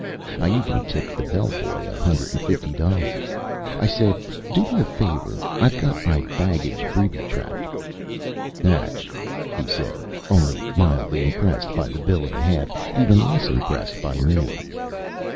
I even tipped the bellboy a hundred and fifty dollars. I said: "Do me a favor. I've got my baggage booby trapped " "Natch," he said, only mildly impressed by the bill and a half, even less impressed by me.